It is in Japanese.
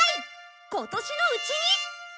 今年のうちに！